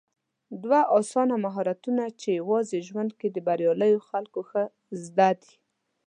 دوه اسانه مهارتونه چې يوازې ژوند کې د برياليو خلکو ښه زده دي